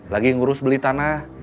lagi ngurus beli tanah